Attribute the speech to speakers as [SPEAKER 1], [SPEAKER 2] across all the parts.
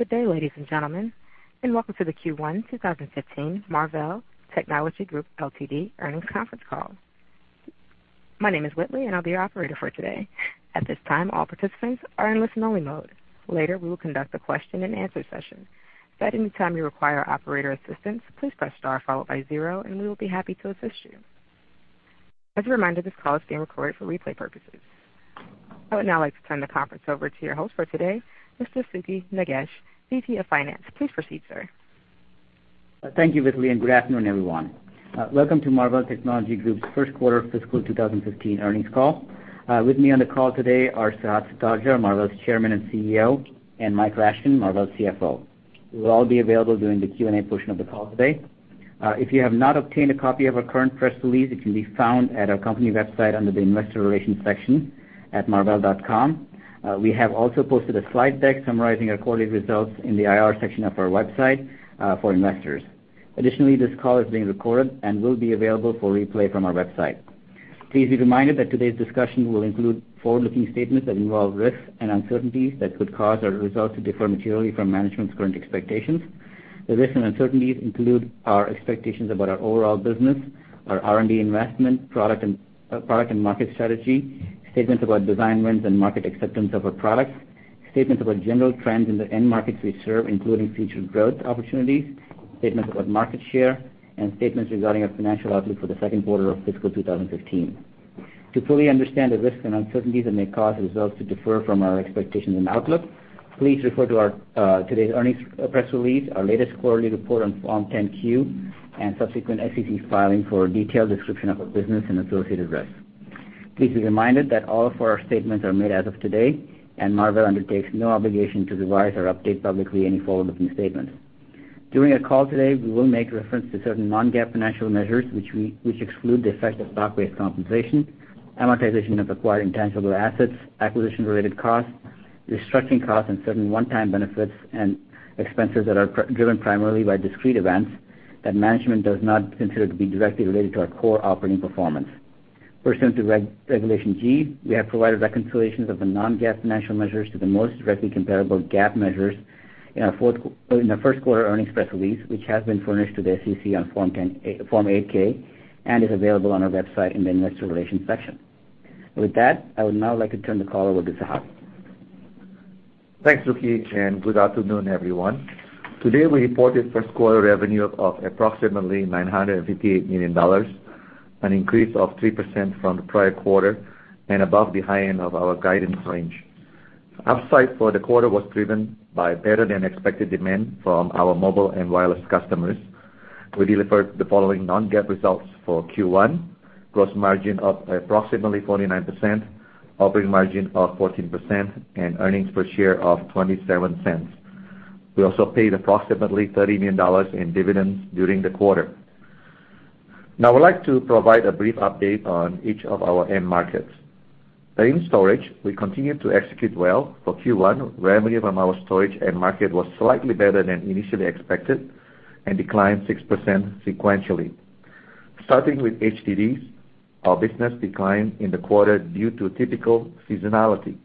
[SPEAKER 1] Good day, ladies and gentlemen, welcome to the Q1 2015 Marvell Technology Group Ltd. earnings conference call. My name is Whitley, and I will be your operator for today. At this time, all participants are in listen-only mode. Later, we will conduct a question and answer session. If at any time you require operator assistance, please press star followed by zero, and we will be happy to assist you. As a reminder, this call is being recorded for replay purposes. I would now like to turn the conference over to your host for today, Mr. Sukhi Nagesh, VP of Finance. Please proceed, sir.
[SPEAKER 2] Thank you, Whitley, and good afternoon, everyone. Welcome to Marvell Technology Group's first quarter fiscal 2015 earnings call. With me on the call today are Sehat Sutardja, Marvell's Chairman and CEO, and Mike Rashkin, Marvell's CFO. We will all be available during the Q&A portion of the call today. If you have not obtained a copy of our current press release, it can be found at our company website under the investor relations section at marvell.com. We have also posted a slide deck summarizing our quarterly results in the IR section of our website for investors. Additionally, this call is being recorded and will be available for replay from our website. Please be reminded that today's discussion will include forward-looking statements that involve risks and uncertainties that could cause our results to differ materially from management's current expectations. The risks and uncertainties include our expectations about our overall business, our R&D investment, product and market strategy, statements about design wins, and market acceptance of our products, statements about general trends in the end markets we serve, including future growth opportunities, statements about market share, and statements regarding our financial outlook for the second quarter of fiscal 2015. To fully understand the risks and uncertainties that may cause results to differ from our expectations and outlook, please refer to today's earnings press release, our latest quarterly report on Form 10-Q and subsequent SEC filing for a detailed description of our business and associated risks. Please be reminded that all of our statements are made as of today, and Marvell undertakes no obligation to revise or update publicly any forward-looking statements. During our call today, we will make reference to certain non-GAAP financial measures, which exclude the effect of stock-based compensation, amortization of acquired intangible assets, acquisition-related costs, restructuring costs, and certain one-time benefits and expenses that are driven primarily by discrete events that management does not consider to be directly related to our core operating performance. Pursuant to Regulation G, we have provided reconciliations of the non-GAAP financial measures to the most directly comparable GAAP measures in our first quarter earnings press release, which has been furnished to the SEC on Form 8-K and is available on our website in the investor relations section. With that, I would now like to turn the call over to Sehat.
[SPEAKER 3] Thanks, Sukhi, Good afternoon, everyone. Today, we reported first-quarter revenue of approximately $958 million, an increase of 3% from the prior quarter and above the high end of our guidance range. Upside for the quarter was driven by better-than-expected demand from our mobile and wireless customers. We delivered the following non-GAAP results for Q1: gross margin of approximately 49%, operating margin of 14%, and earnings per share of $0.27. We also paid approximately $30 million in dividends during the quarter. I'd like to provide a brief update on each of our end markets. In storage, we continued to execute well for Q1. Revenue from our storage end market was slightly better than initially expected and declined 6% sequentially. Starting with HDDs, our business declined in the quarter due to typical seasonality.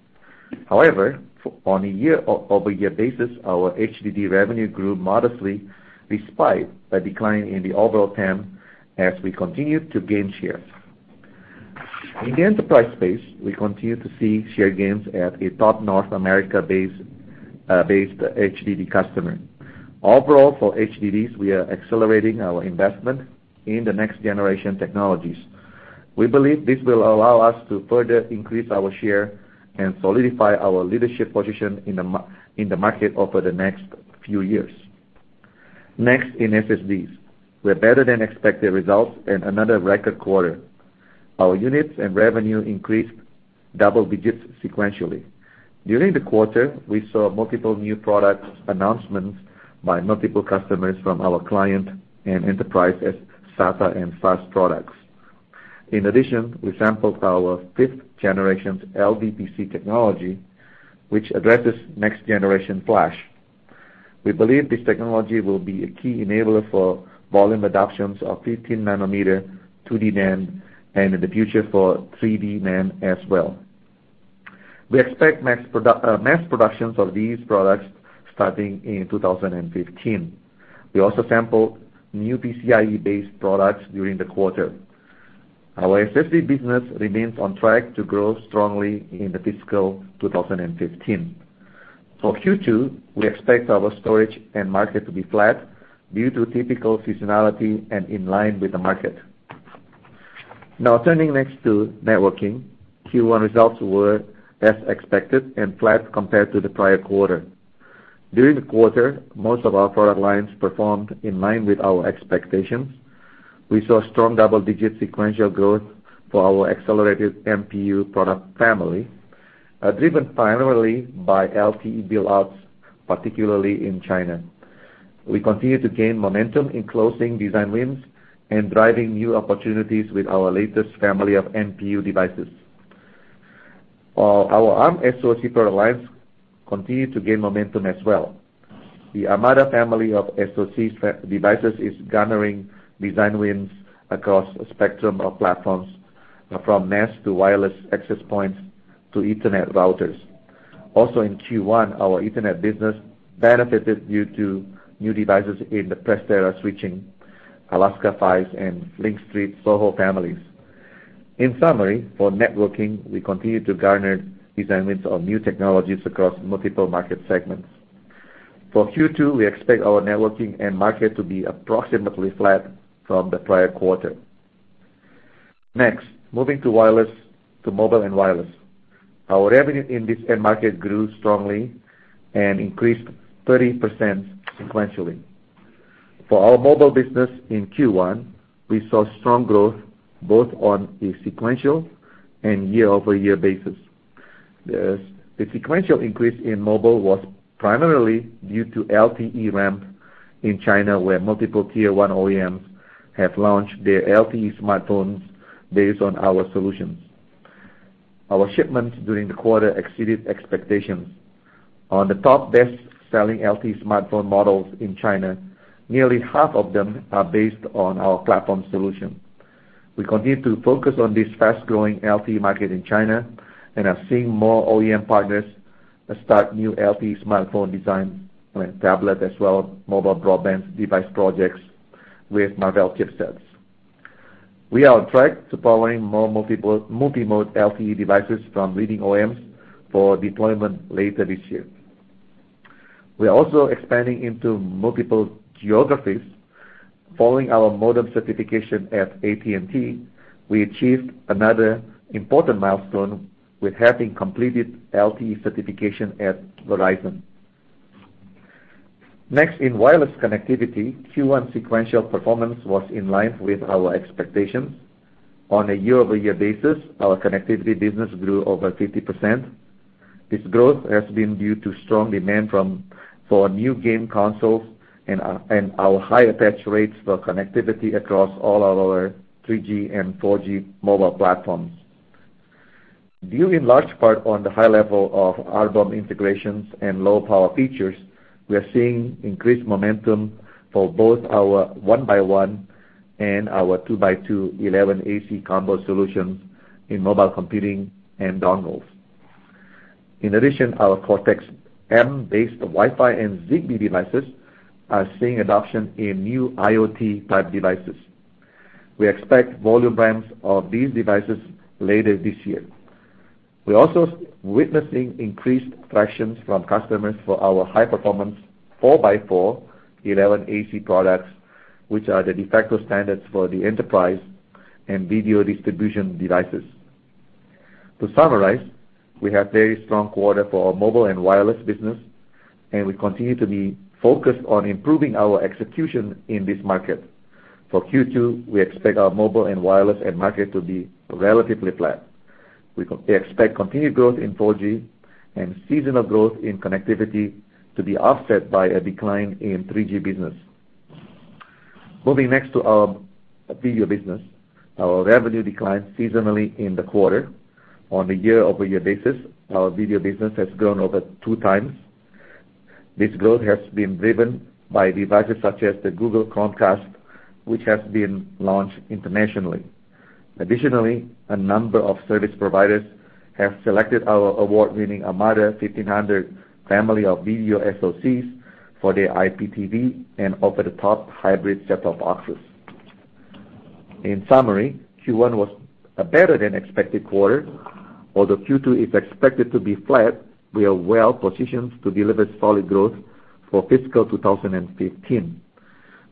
[SPEAKER 3] On a year-over-year basis, our HDD revenue grew modestly despite a decline in the overall TAM as we continued to gain share. In the enterprise space, we continued to see share gains at a top North America-based HDD customer. Overall, for HDDs, we are accelerating our investment in the next-generation technologies. We believe this will allow us to further increase our share and solidify our leadership position in the market over the next few years. In SSDs, with better-than-expected results and another record quarter. Our units and revenue increased double digits sequentially. During the quarter, we saw multiple new product announcements by multiple customers from our client and enterprise as SATA and SAS products. In addition, we sampled our fifth generation's LDPC technology, which addresses next-generation flash. We believe this technology will be a key enabler for volume adoptions of 15-nanometer 2D NAND, and in the future, for 3D NAND as well. We expect mass production of these products starting in 2015. We also sampled new PCIe-based products during the quarter. Our SSD business remains on track to grow strongly into fiscal 2015. For Q2, we expect our storage end market to be flat due to typical seasonality and in line with the market. Turning next to networking. Q1 results were as expected and flat compared to the prior quarter. During the quarter, most of our product lines performed in line with our expectations. We saw strong double-digit sequential growth for our accelerated NPU product family, driven primarily by LTE build-outs, particularly in China. We continue to gain momentum in closing design wins and driving new opportunities with our latest family of NPU devices. Our Arm SoC product lines continue to gain momentum as well. The ARMADA family of SoC devices is garnering design wins across a spectrum of platforms from NAS to wireless access points to ethernet routers. In Q1, our ethernet business benefited due to new devices in the Prestera switching, Alaska PHYs, and LinkStreet SOHO families. In summary, for networking, we continue to garner design wins of new technologies across multiple market segments. For Q2, we expect our networking end market to be approximately flat from the prior quarter. Moving to mobile and wireless. Our revenue in this end market grew strongly and increased 30% sequentially. For our mobile business in Q1, we saw strong growth both on a sequential and year-over-year basis. The sequential increase in mobile was primarily due to LTE ramp in China, where multiple tier 1 OEMs have launched their LTE smartphones based on our solutions. Our shipments during the quarter exceeded expectations. On the top best-selling LTE smartphone models in China, nearly half of them are based on our platform solution. We continue to focus on this fast-growing LTE market in China and are seeing more OEM partners start new LTE smartphone design and tablet as well mobile broadband device projects with Marvell chipsets. We are on track to powering more multi-mode LTE devices from leading OEMs for deployment later this year. We are also expanding into multiple geographies. Following our modem certification at AT&T, we achieved another important milestone with having completed LTE certification at Verizon. Next, in wireless connectivity, Q1 sequential performance was in line with our expectations. On a year-over-year basis, our connectivity business grew over 50%. This growth has been due to strong demand for new game consoles and our high attach rates for connectivity across all our 3G and 4G mobile platforms. Due in large part on the high level of Arm integrations and low power features, we are seeing increased momentum for both our 1x1 and our 2x2 11ac combo solutions in mobile computing and dongles. In addition, our Cortex-M-based Wi-Fi and Zigbee devices are seeing adoption in new IoT-type devices. We expect volume ramps of these devices later this year. We're also witnessing increased traction from customers for our high-performance 4x4 11ac products, which are the de facto standards for the enterprise and video distribution devices. To summarize, we have very strong quarter for our mobile and wireless business, and we continue to be focused on improving our execution in this market. For Q2, we expect our mobile and wireless end market to be relatively flat. We expect continued growth in 4G and seasonal growth in connectivity to be offset by a decline in 3G business. Moving next to our video business. Our revenue declined seasonally in the quarter. On a year-over-year basis, our video business has grown over 2 times. This growth has been driven by devices such as the Google Chromecast, which has been launched internationally. Additionally, a number of service providers have selected our award-winning ARMADA 1500 family of video SoCs for their IPTV and over-the-top hybrid set-top boxes. In summary, Q1 was a better than expected quarter. Although Q2 is expected to be flat, we are well positioned to deliver solid growth for fiscal 2015.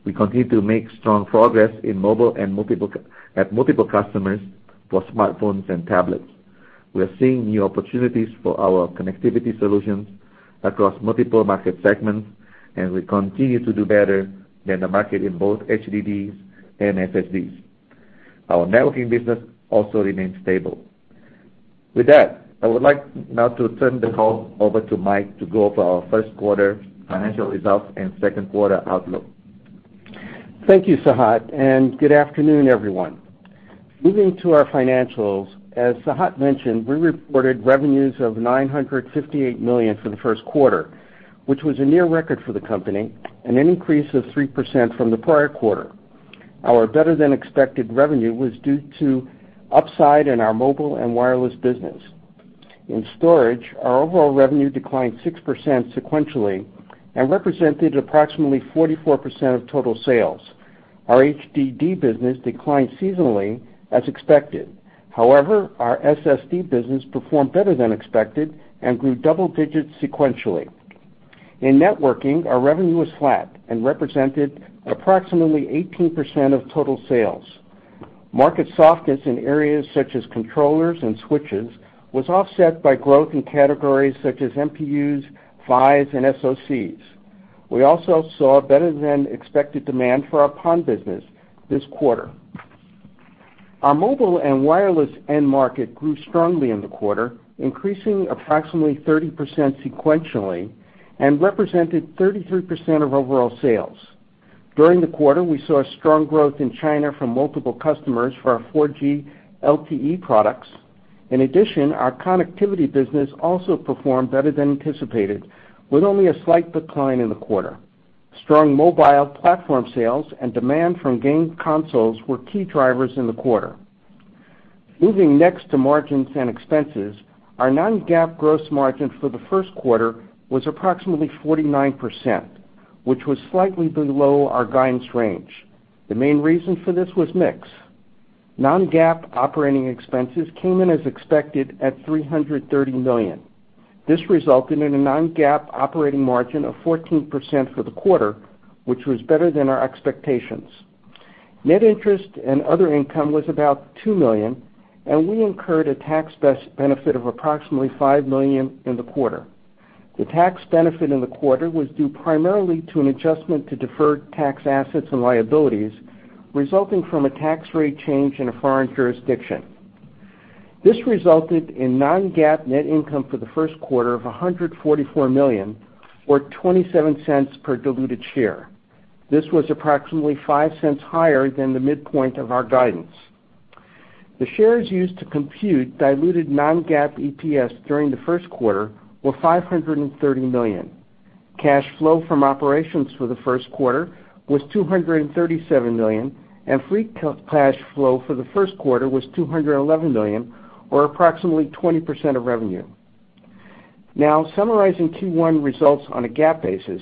[SPEAKER 3] We continue to make strong progress in mobile at multiple customers for smartphones and tablets. We are seeing new opportunities for our connectivity solutions across multiple market segments, and we continue to do better than the market in both HDDs and SSDs. Our networking business also remains stable. With that, I would like now to turn the call over to Mike to go over our first quarter financial results and second quarter outlook.
[SPEAKER 4] Thank you, Sehat, and good afternoon, everyone. Moving to our financials, as Sehat mentioned, we reported revenues of $958 million for the first quarter, which was a near record for the company and an increase of 3% from the prior quarter. Our better-than-expected revenue was due to upside in our mobile and wireless business. In storage, our overall revenue declined 6% sequentially and represented approximately 44% of total sales. Our HDD business declined seasonally as expected. However, our SSD business performed better than expected and grew double digits sequentially. In networking, our revenue was flat and represented approximately 18% of total sales. Market softness in areas such as controllers and switches was offset by growth in categories such as MPUs, PHYs, and SOCs. We also saw better-than-expected demand for our PON business this quarter. Our mobile and wireless end market grew strongly in the quarter, increasing approximately 30% sequentially and represented 33% of overall sales. During the quarter, we saw strong growth in China from multiple customers for our 4G LTE products. In addition, our connectivity business also performed better than anticipated, with only a slight decline in the quarter. Strong mobile platform sales and demand from game consoles were key drivers in the quarter. Moving next to margins and expenses, our non-GAAP gross margin for the first quarter was approximately 49%, which was slightly below our guidance range. The main reason for this was mix. Non-GAAP operating expenses came in as expected at $330 million. This resulted in a non-GAAP operating margin of 14% for the quarter, which was better than our expectations. Net interest and other income was about $2 million, and we incurred a tax benefit of approximately $5 million in the quarter. The tax benefit in the quarter was due primarily to an adjustment to deferred tax assets and liabilities, resulting from a tax rate change in a foreign jurisdiction. This resulted in non-GAAP net income for the first quarter of $144 million, or $0.27 per diluted share. This was approximately $0.05 higher than the midpoint of our guidance. The shares used to compute diluted non-GAAP EPS during the first quarter were 530 million. Cash flow from operations for the first quarter was $237 million, and free cash flow for the first quarter was $211 million, or approximately 20% of revenue. Now, summarizing Q1 results on a GAAP basis,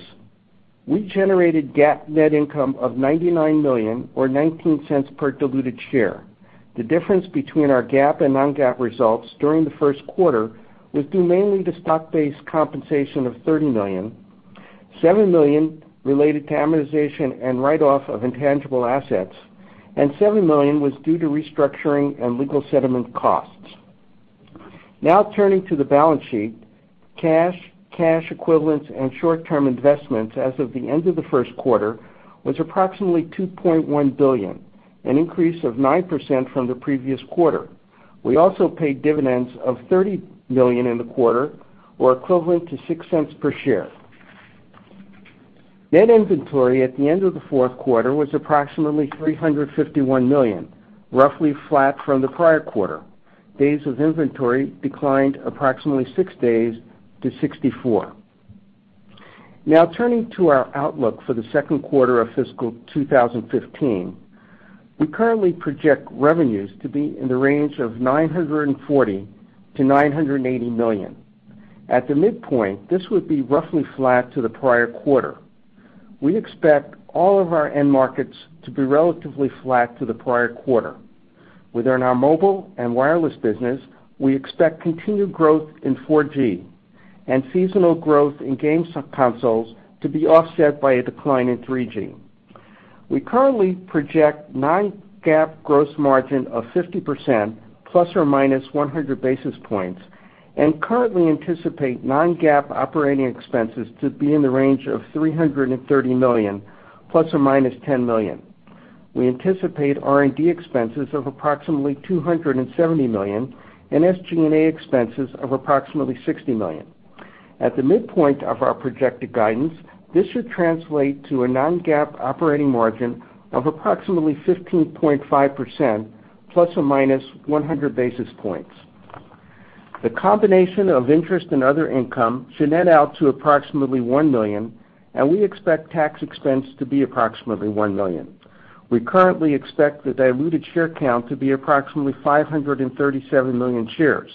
[SPEAKER 4] we generated GAAP net income of $99 million or $0.19 per diluted share. The difference between our GAAP and non-GAAP results during the first quarter was due mainly to stock-based compensation of $30 million, $7 million related to amortization and write-off of intangible assets, and $7 million was due to restructuring and legal settlement costs. Now turning to the balance sheet. Cash, cash equivalents, and short-term investments as of the end of the first quarter was approximately $2.1 billion, an increase of 9% from the previous quarter. We also paid dividends of $30 million in the quarter, or equivalent to $0.06 per share. Net inventory at the end of the fourth quarter was approximately $351 million, roughly flat from the prior quarter. Days of inventory declined approximately six days to 64. Now turning to our outlook for the second quarter of fiscal 2015. We currently project revenues to be in the range of $940 million-$980 million. At the midpoint, this would be roughly flat to the prior quarter. We expect all of our end markets to be relatively flat to the prior quarter. Within our mobile and wireless business, we expect continued growth in 4G and seasonal growth in game consoles to be offset by a decline in 3G. We currently project non-GAAP gross margin of 50% ± 100 basis points, and currently anticipate non-GAAP operating expenses to be in the range of $330 million ± $10 million. We anticipate R&D expenses of approximately $270 million and SG&A expenses of approximately $60 million. At the midpoint of our projected guidance, this should translate to a non-GAAP operating margin of approximately 15.5% ± 100 basis points. The combination of interest and other income should net out to approximately $1 million, and we expect tax expense to be approximately $1 million. We currently expect the diluted share count to be approximately 537 million shares.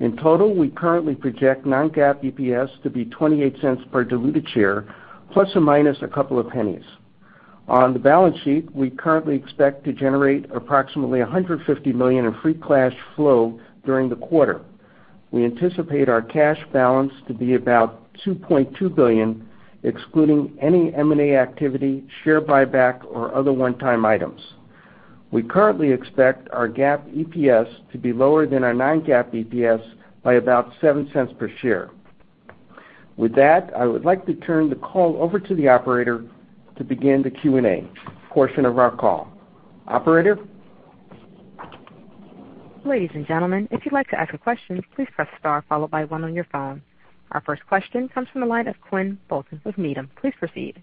[SPEAKER 4] In total, we currently project non-GAAP EPS to be $0.28 per diluted share, ± a couple of pennies. On the balance sheet, we currently expect to generate approximately $150 million in free cash flow during the quarter. We anticipate our cash balance to be about $2.2 billion, excluding any M&A activity, share buyback, or other one-time items. We currently expect our GAAP EPS to be lower than our non-GAAP EPS by about $0.07 per share. With that, I would like to turn the call over to the operator to begin the Q&A portion of our call. Operator?
[SPEAKER 1] Ladies and gentlemen, if you'd like to ask a question, please press star followed by one on your phone. Our first question comes from the line of Quinn Bolton with Needham. Please proceed.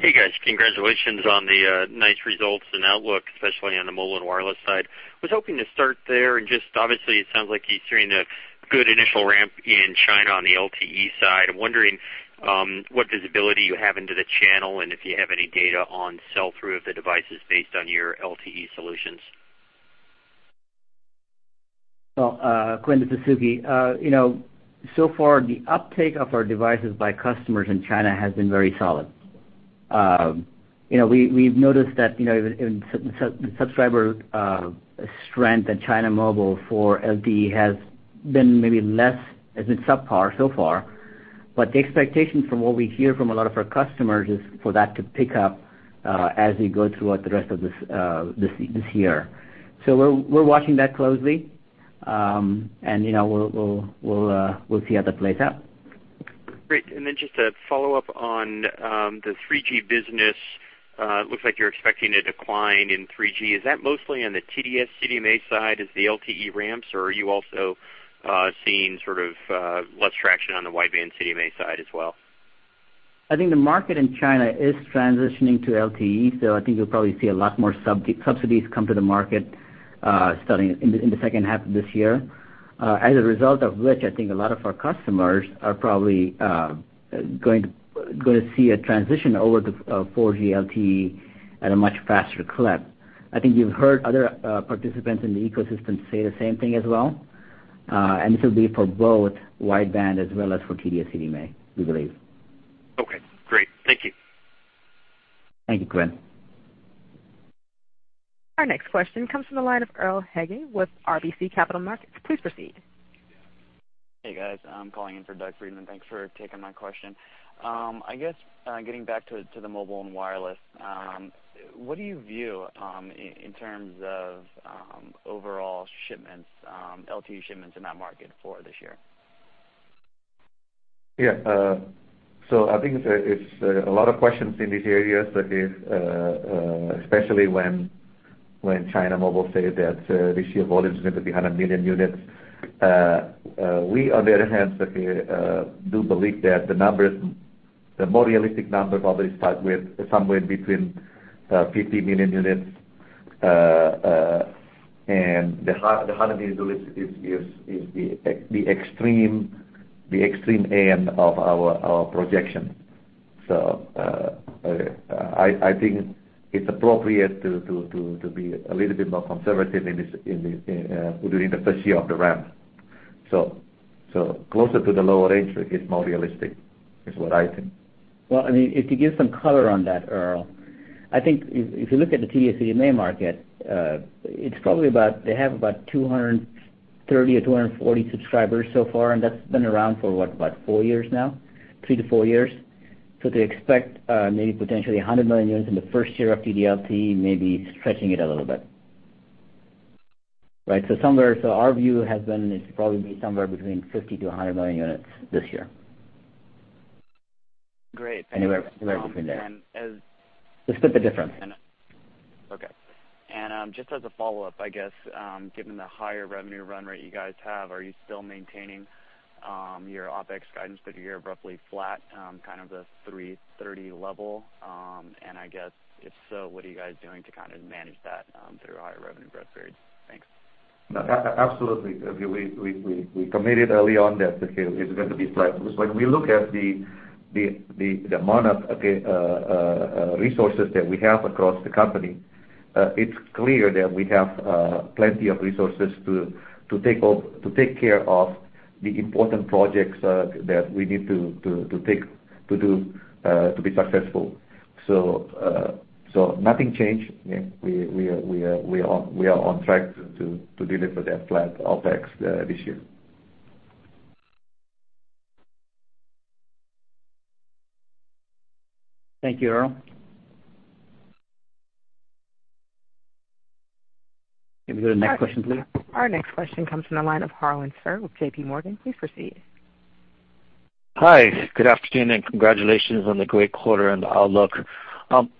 [SPEAKER 5] Hey, guys. Congratulations on the nice results and outlook, especially on the mobile and wireless side. Just obviously it sounds like you're seeing a good initial ramp in China on the LTE side. I'm wondering what visibility you have into the channel and if you have any data on sell-through of the devices based on your LTE solutions.
[SPEAKER 2] Well, Quinn, this is Sukhi. The uptake of our devices by customers in China has been very solid. We've noticed that even subscriber strength in China Mobile for LTE has been subpar so far. The expectation from what we hear from a lot of our customers is for that to pick up as we go throughout the rest of this year. We're watching that closely, and we'll see how that plays out.
[SPEAKER 5] Great. Just a follow-up on the 3G business. Looks like you're expecting a decline in 3G. Is that mostly on the TD-SCDMA side as the LTE ramps, or are you also seeing sort of less traction on the WCDMA side as well?
[SPEAKER 2] I think the market in China is transitioning to LTE. I think you'll probably see a lot more subsidies come to the market. Starting in the second half of this year. As a result of which, I think a lot of our customers are probably going to see a transition over to 4G LTE at a much faster clip. I think you've heard other participants in the ecosystem say the same thing as well. This will be for both WCDMA as well as for TD-SCDMA, we believe.
[SPEAKER 5] Okay, great. Thank you.
[SPEAKER 2] Thank you, Quinn.
[SPEAKER 1] Our next question comes from the line of Doug Freedman with RBC Capital Markets. Please proceed.
[SPEAKER 6] Hey, guys. I'm calling in for Doug Freedman. Thanks for taking my question. I guess, getting back to the mobile and wireless, what do you view in terms of overall LTE shipments in that market for this year?
[SPEAKER 3] I think it's a lot of questions in this area, especially when China Mobile say that this year volume is going to be 100 million units. We, on the other hand, do believe that the more realistic number probably start with somewhere between 50 million units, and the 100 million units is the extreme end of our projection. I think it's appropriate to be a little bit more conservative during the first year of the ramp. Closer to the lower range is more realistic, is what I think.
[SPEAKER 2] Well, I mean, if you give some color on that, Earl, I think if you look at the TD-SCDMA market, they have about 230 or 240 subscribers so far, and that's been around for what, about four years now? Three to four years. To expect maybe potentially 100 million units in the first year of TD-LTE may be stretching it a little bit. Right. Our view has been it's probably going to be somewhere between 50 to 100 million units this year.
[SPEAKER 6] Great. Thank you.
[SPEAKER 2] Anywhere between there. It's a bit of difference.
[SPEAKER 6] Okay. Just as a follow-up, I guess, given the higher revenue run rate you guys have, are you still maintaining your OpEx guidance for the year of roughly flat, kind of the 330 level? I guess, if so, what are you guys doing to manage that through a higher revenue growth period? Thanks.
[SPEAKER 3] Absolutely. We committed early on that it's going to be flat. When we look at the amount of resources that we have across the company, it's clear that we have plenty of resources to take care of the important projects that we need to do to be successful. Nothing changed. We are on track to deliver that flat OpEx this year.
[SPEAKER 2] Thank you, Earl. Can we go to the next question, please?
[SPEAKER 1] Our next question comes from the line of Harlan Sur with J.P. Morgan. Please proceed.
[SPEAKER 7] Hi, good afternoon. Congratulations on the great quarter and outlook.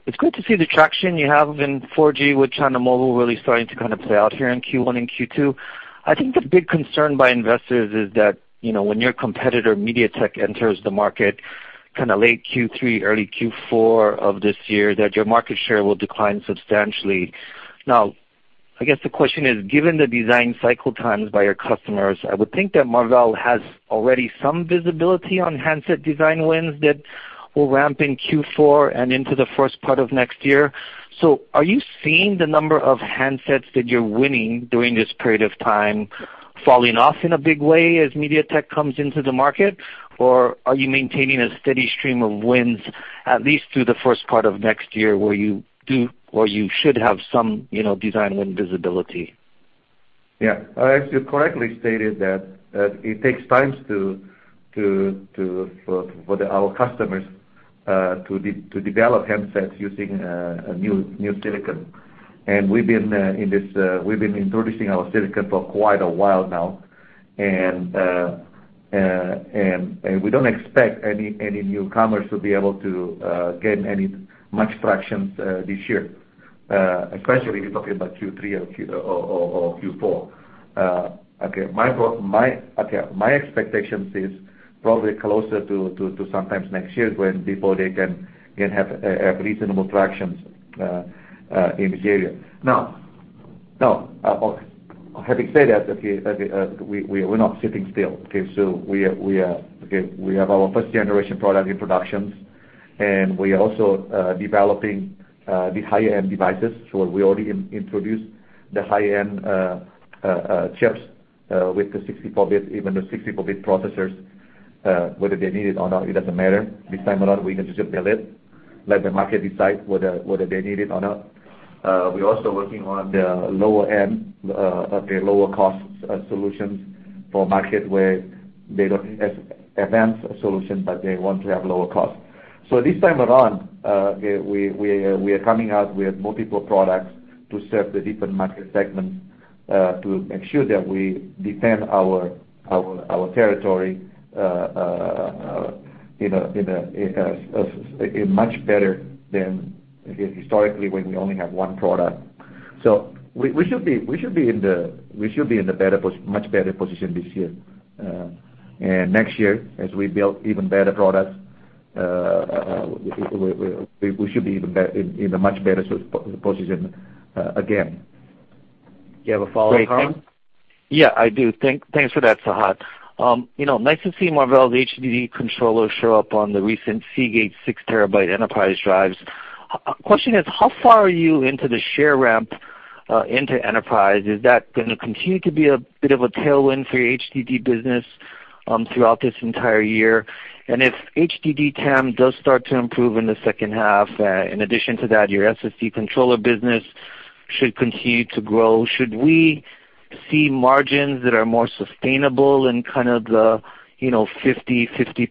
[SPEAKER 7] It's good to see the traction you have in 4G with China Mobile really starting to play out here in Q1 and Q2. I think the big concern by investors is that, when your competitor MediaTek enters the market late Q3, early Q4 of this year, that your market share will decline substantially. I guess the question is, given the design cycle times by your customers, I would think that Marvell has already some visibility on handset design wins that will ramp in Q4 and into the first part of next year. Are you seeing the number of handsets that you're winning during this period of time falling off in a big way as MediaTek comes into the market? Are you maintaining a steady stream of wins at least through the first part of next year where you should have some design win visibility?
[SPEAKER 3] Yeah. As you correctly stated that it takes times for our customers to develop handsets using a new silicon. We've been introducing our silicon for quite a while now. We don't expect any newcomers to be able to gain any much traction this year, especially if you're talking about Q3 or Q4. My expectation is probably closer to sometimes next year when before they can have reasonable traction in this area. Having said that, we're not sitting still. We have our first generation product in production, and we are also developing the higher-end devices. We already introduced the high-end chips with the 64-bit, even the 64-bit processors, whether they need it or not, it doesn't matter. This time around, we can just build it, let the market decide whether they need it or not. We're also working on the lower end, lower cost solutions for market where they don't have advanced solutions, but they want to have lower cost. This time around, we are coming out with multiple products to serve the different market segments to make sure that we defend our territory in much better than historically when we only have one product. We should be in a much better position this year. Next year, as we build even better products We should be in a much better position again.
[SPEAKER 2] You have a follow-up, Harlan?
[SPEAKER 7] Yeah, I do. Thanks for that, Sehat. Nice to see Marvell's HDD controller show up on the recent Seagate six terabyte enterprise drives. Question is, how far are you into the share ramp into enterprise? Is that going to continue to be a bit of a tailwind for your HDD business throughout this entire year? If HDD TAM does start to improve in the second half, in addition to that, your SSD controller business should continue to grow. Should we see margins that are more sustainable in kind of the 50%+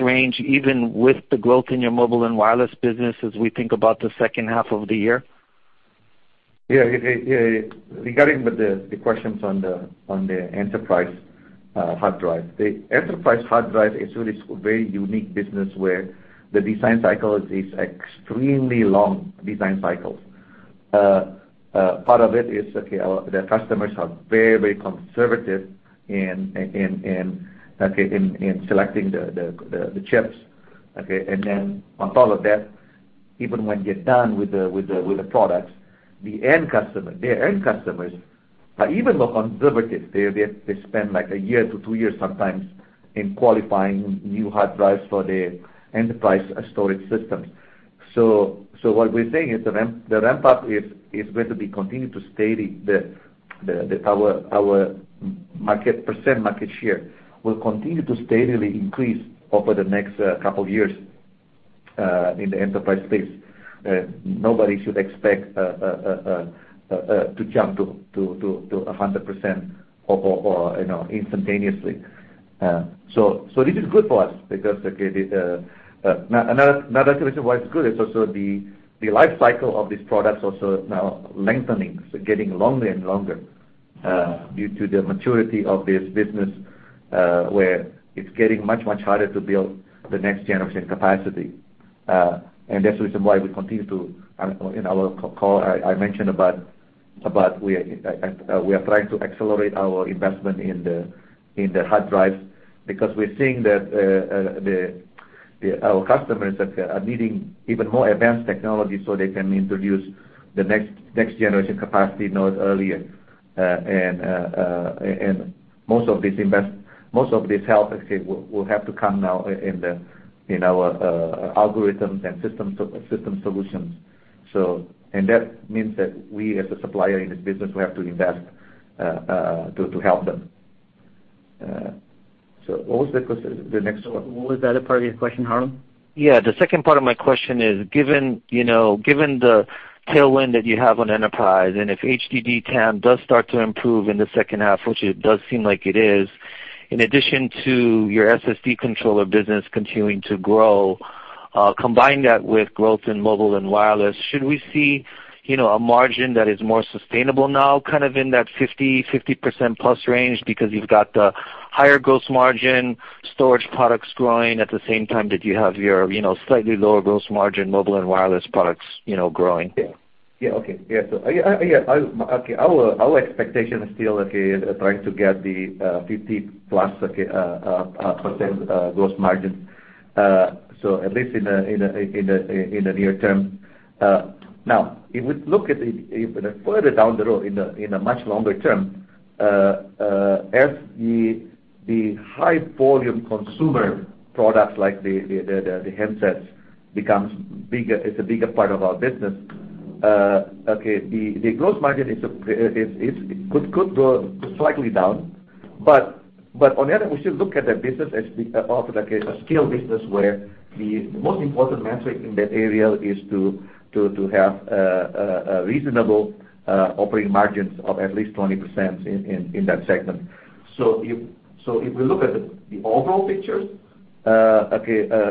[SPEAKER 7] range, even with the growth in your mobile and wireless business as we think about the second half of the year?
[SPEAKER 3] Yeah. Regarding the questions on the enterprise hard drive. The enterprise hard drive is really a very unique business where the design cycle is extremely long design cycles. Part of it is, the customers are very conservative in selecting the chips. On top of that, even when they're done with the products, their end customers are even more conservative. They spend like one year to two years sometimes in qualifying new hard drives for the enterprise storage systems. What we're saying is the ramp-up is going to be continued to steady. Our percent market share will continue to steadily increase over the next couple of years in the enterprise space. Nobody should expect to jump to 100% instantaneously. This is good for us because, another reason why it's good, it's also the life cycle of these products also now lengthening, so getting longer and longer due to the maturity of this business, where it's getting much harder to build the next generation capacity. That's the reason why we continue to, in our call, I mentioned about we are trying to accelerate our investment in the hard drive because we're seeing that our customers are needing even more advanced technology so they can introduce the next generation capacity node earlier. Most of this help will have to come now in our algorithms and system solutions. That means that we as a supplier in this business, we have to invest to help them. What was the next one?
[SPEAKER 2] Was that a part of your question, Harlan?
[SPEAKER 7] Yeah. The second part of my question is, given the tailwind that you have on enterprise, if HDD TAM does start to improve in the second half, which it does seem like it is, in addition to your SSD controller business continuing to grow, combine that with growth in mobile and wireless. Should we see a margin that is more sustainable now, kind of in that 50%+ range because you've got the higher gross margin storage products growing at the same time that you have your slightly lower gross margin mobile and wireless products growing?
[SPEAKER 3] Yeah. Okay. Our expectation is still trying to get the 50%+ gross margin. At least in the near term. If we look at further down the road, in a much longer term, as the high volume consumer products like the handsets becomes a bigger part of our business, the gross margin could go slightly down, but on the other, we should look at the business as often a scale business, where the most important metric in that area is to have reasonable operating margins of at least 20% in that segment. If we look at the overall picture,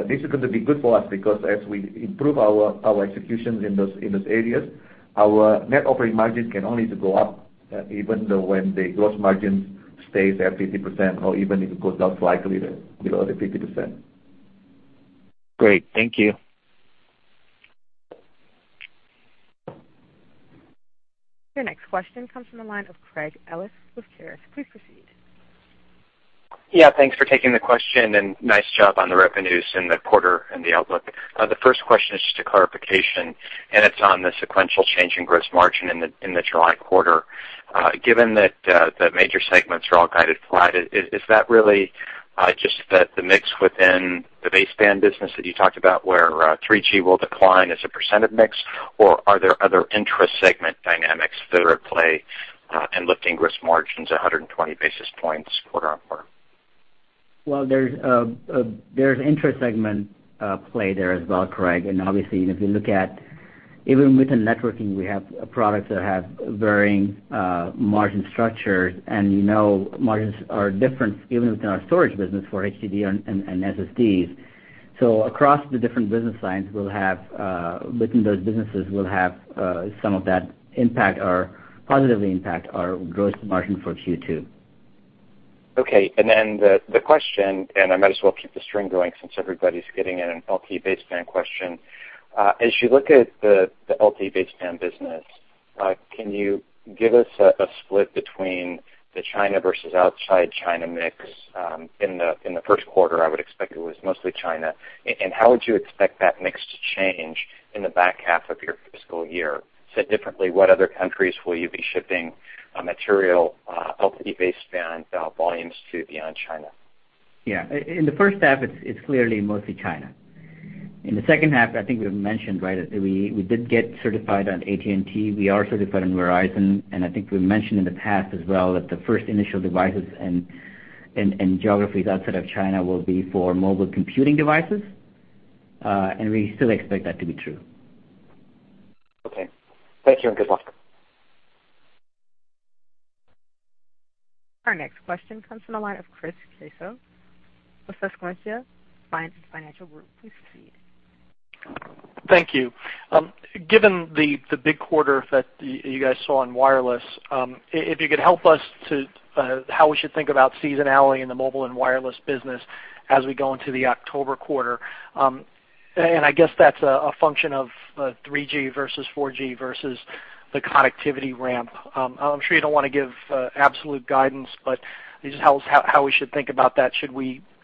[SPEAKER 3] this is going to be good for us because as we improve our executions in those areas, our net operating margin can only go up even though when the gross margin stays at 50% or even if it goes down slightly below the 50%.
[SPEAKER 7] Great. Thank you.
[SPEAKER 1] Your next question comes from the line of Craig Ellis with Caris. Please proceed.
[SPEAKER 8] Yeah. Thanks for taking the question. Nice job on the revenues in the quarter and the outlook. The first question is just a clarification. It's on the sequential change in gross margin in the July quarter. Given that the major segments are all guided flat, is that really just that the mix within the baseband business that you talked about where 3G will decline as a % of mix, or are there other intra-segment dynamics that are at play and lifting gross margins 120 basis points quarter-on-quarter?
[SPEAKER 2] Well, there's intra-segment play there as well, Craig. Obviously, if you look at even within networking, we have products that have varying margin structures. You know margins are different even within our storage business for HDD and SSDs. Across the different business lines, within those businesses, we'll have some of that positively impact our gross margin for Q2.
[SPEAKER 8] Okay. Then the question, I might as well keep the string going since everybody's getting in an LTE baseband question. As you look at the LTE baseband business. Can you give us a split between the China versus outside China mix in the first quarter? I would expect it was mostly China. How would you expect that mix to change in the back half of your fiscal year? Said differently, what other countries will you be shipping material, LTE baseband volumes to beyond China?
[SPEAKER 2] Yeah. In the first half, it's clearly mostly China. In the second half, I think we've mentioned, we did get certified on AT&T. We are certified on Verizon, and I think we've mentioned in the past as well that the first initial devices and geographies outside of China will be for mobile computing devices. We still expect that to be true.
[SPEAKER 8] Okay. Thank you, and good luck.
[SPEAKER 1] Our next question comes from the line of Chris Caso with Susquehanna Financial Group. Please proceed.
[SPEAKER 9] Thank you. Given the big quarter that you guys saw in wireless, if you could help us to how we should think about seasonality in the mobile and wireless business as we go into the October quarter. I guess that's a function of 3G versus 4G versus the connectivity ramp. I'm sure you don't want to give absolute guidance, but just how we should think about that,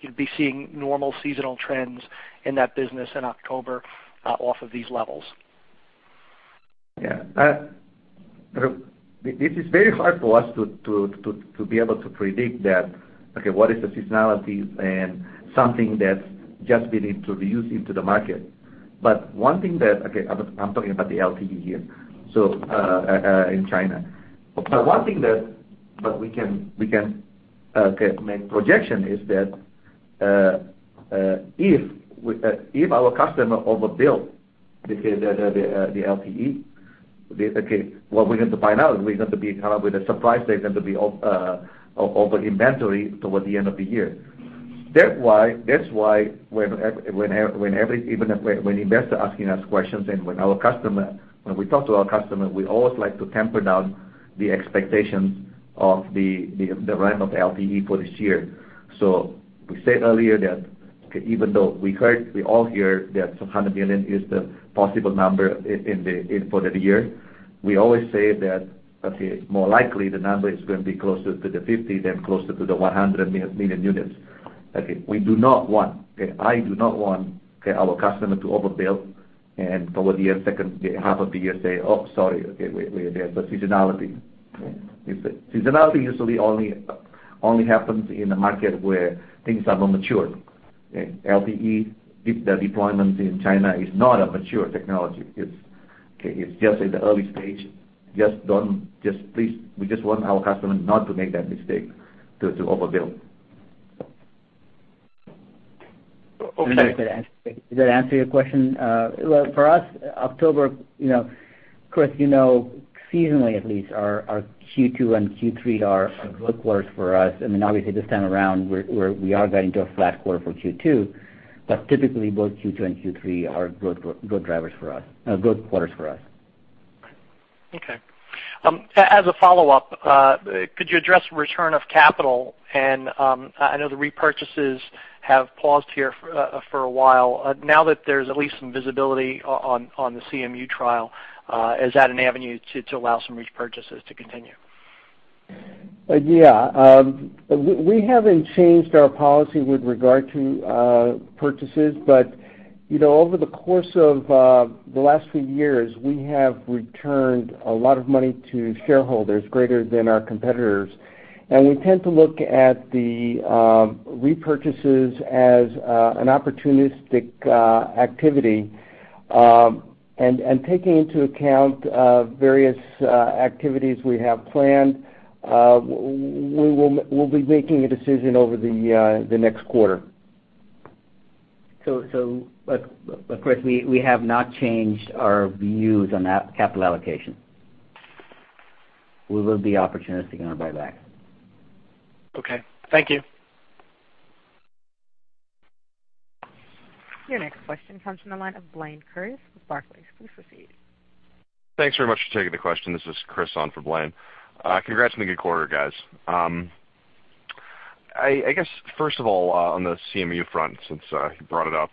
[SPEAKER 9] should we be seeing normal seasonal trends in that business in October off of these levels?
[SPEAKER 3] Yeah. This is very hard for us to be able to predict that, what is the seasonality and something that just we need to reuse it to the market. One thing that, I'm talking about the LTE here in China. One thing that we can make projection is that, if our customer overbuild the LTE, what we're going to find out is we're going to be caught up with a surprise. There's going to be over-inventory toward the end of the year. That's why when investor asking us questions and when we talk to our customers, we always like to temper down the expectations of the ramp of LTE for this year. We said earlier that even though we all hear that 100 million is the possible number for the year, we always say that, more likely the number is going to be closer to the 50 than closer to the 100 million units. Okay. We do not want, I do not want our customer to overbuild, and toward the second half of the year say, "Oh, sorry. There's a seasonality." Seasonality usually only happens in a market where things are more mature. LTE, the deployment in China is not a mature technology. It's just in the early stage. We just want our customers not to make that mistake, to overbuild.
[SPEAKER 9] Okay.
[SPEAKER 2] Does that answer your question? Well, for us, October, Chris, you know seasonally at least our Q2 and Q3 are good quarters for us. Obviously, this time around, we are getting to a flat quarter for Q2. Typically, both Q2 and Q3 are good quarters for us.
[SPEAKER 9] Right. Okay. As a follow-up, could you address return of capital? I know the repurchases have paused here for a while. Now that there's at least some visibility on the CMU trial, is that an avenue to allow some repurchases to continue?
[SPEAKER 4] Yeah. We haven't changed our policy with regard to purchases, but over the course of the last few years, we have returned a lot of money to shareholders, greater than our competitors. We tend to look at the repurchases as an opportunistic activity. Taking into account various activities we have planned, we'll be making a decision over the next quarter.
[SPEAKER 2] Chris, we have not changed our views on that capital allocation. We will be opportunistic on our buyback.
[SPEAKER 9] Okay. Thank you.
[SPEAKER 1] Your next question comes from the line of Blayne Curtis with Barclays. Please proceed.
[SPEAKER 10] Thanks very much for taking the question. This is Chris on for Blayne. Congrats on a good quarter, guys. First of all, on the CMU front, since you brought it up,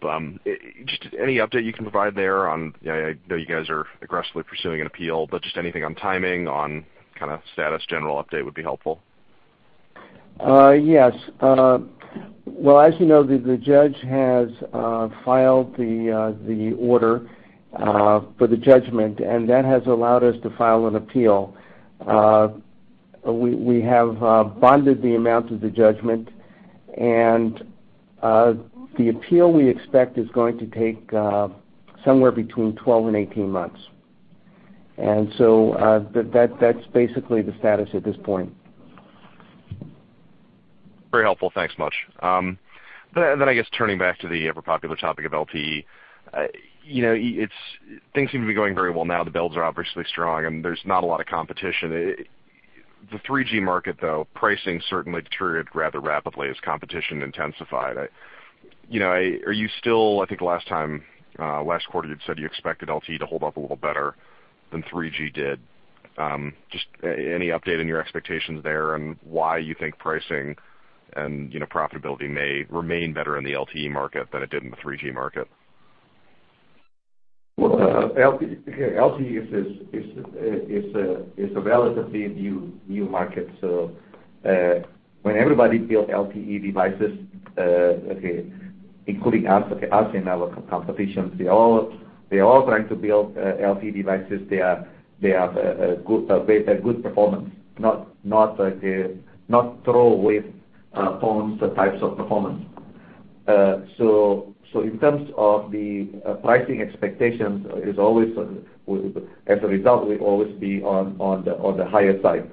[SPEAKER 10] just any update you can provide there on. I know you guys are aggressively pursuing an appeal, just anything on timing, on status, general update would be helpful.
[SPEAKER 4] Yes. As you know, the judge has filed the order for the judgment, that has allowed us to file an appeal. We have bonded the amount of the judgment, the appeal we expect is going to take somewhere between 12 and 18 months. That's basically the status at this point.
[SPEAKER 10] Very helpful. Thanks much. Turning back to the ever popular topic of LTE. Things seem to be going very well now. The builds are obviously strong, there's not a lot of competition. The 3G market, though, pricing certainly deteriorated rather rapidly as competition intensified. Are you still, last time, last quarter you'd said you expected LTE to hold up a little better than 3G did. Just any update on your expectations there why you think pricing and profitability may remain better in the LTE market than it did in the 3G market?
[SPEAKER 3] LTE is a relatively new market. When everybody build LTE devices, including us and our competition, they all trying to build LTE devices. They have a good performance, not throwaway phones types of performance. In terms of the pricing expectations, as a result, we always be on the higher side.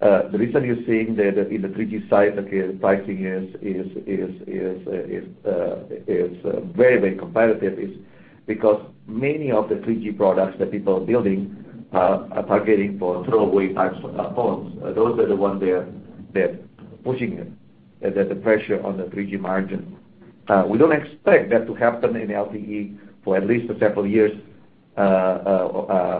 [SPEAKER 3] The reason you're seeing that in the 3G side, the pricing is very competitive is because many of the 3G products that people are building are targeting for throwaway types of phones. Those are the ones that are pushing the pressure on the 3G margin. We don't expect that to happen in LTE for at least several years,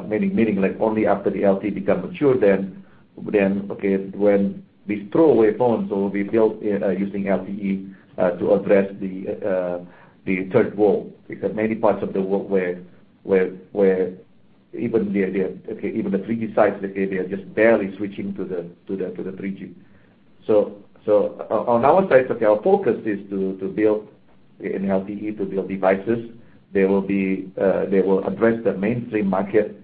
[SPEAKER 3] meaning only after the LTE become mature, then when these throwaway phones will be built using LTE to address the third world, because many parts of the world where even the 3G side, they are just barely switching to the 3G. On our side, our focus is to build in LTE, to build devices. They will address the mainstream market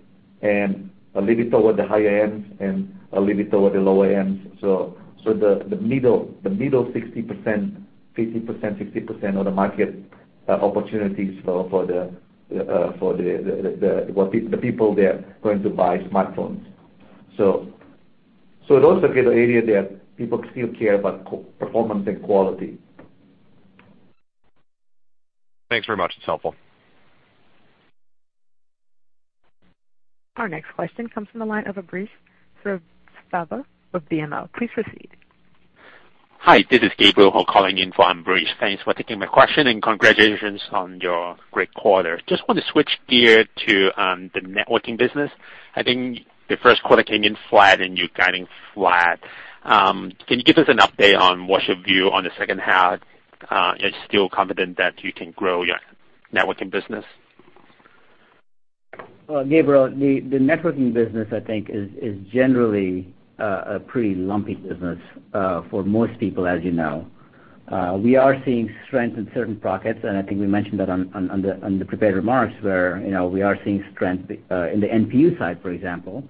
[SPEAKER 3] and a little bit toward the higher ends and a little bit toward the lower ends. The middle 50%, 60% of the market opportunities for the people there going to buy smartphones. Those are the area that people still care about performance and quality.
[SPEAKER 10] Thanks very much. It's helpful.
[SPEAKER 1] Our next question comes from the line of Ambrish Srivastava of BMO. Please proceed.
[SPEAKER 11] Hi, this is Gabriel calling in for Ambrish. Thanks for taking my question, and congratulations on your great quarter. Want to switch gear to the networking business. I think the first quarter came in flat, and you're guiding flat. Can you give us an update on what's your view on the second half? You're still confident that you can grow your networking business?
[SPEAKER 2] Well, Gabriel, the networking business, I think is generally a pretty lumpy business for most people, as you know. We are seeing strength in certain pockets, and I think we mentioned that on the prepared remarks where we are seeing strength in the NPU side, for example,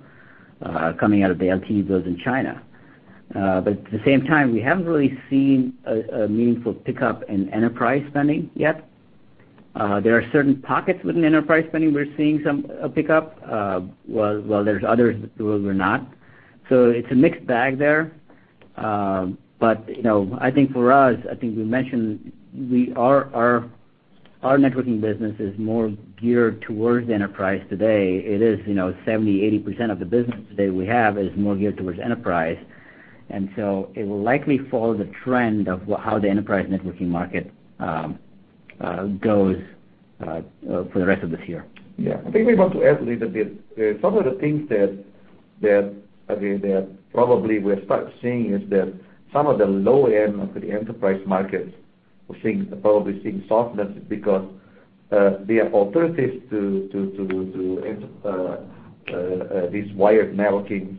[SPEAKER 2] coming out of the LTE builds in China. At the same time, we haven't really seen a meaningful pickup in enterprise spending yet. There are certain pockets within enterprise spending we're seeing some pickup, while there's others that we're not. It's a mixed bag there. I think for us, I think we mentioned our networking business is more geared towards the enterprise today. 70%-80% of the business today we have is more geared towards enterprise. It will likely follow the trend of how the enterprise networking market goes for the rest of this year.
[SPEAKER 3] Yeah. I think we want to add a little bit. Some of the things that probably we're seeing is that some of the low end of the enterprise markets, we're probably seeing softness because there are alternatives to these wired networking.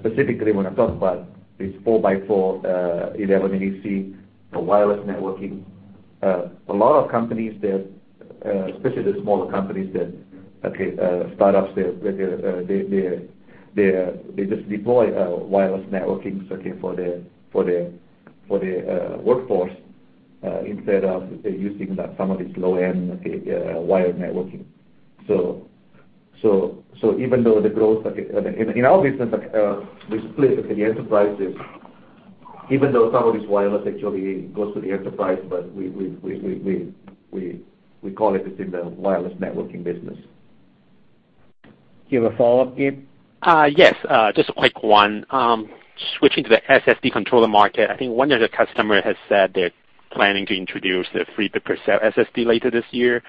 [SPEAKER 3] Specifically, when I talk about these 4x4 11ac for wireless networking. A lot of companies, especially the smaller companies, startups, they just deploy wireless networking for the workforce, instead of using some of these low-end wired networking. Even though in our business, we split the enterprises, even though some of this wireless actually goes to the enterprise, but we call it within the wireless networking business.
[SPEAKER 2] You have a follow-up, Gabe?
[SPEAKER 11] Yes, just a quick one. Switching to the SSD controller market, I think one of the customer has said they're planning to introduce their 3 bit per cell SSD later this year.